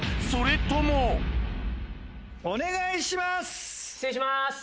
それともお願いします！